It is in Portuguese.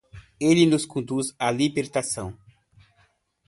Ele nos conduz à libertação